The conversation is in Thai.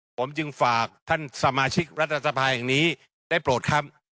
ผมจึงฝากท่านสมาชิกรัฐสภาแห่งนี้ได้โปรดครับ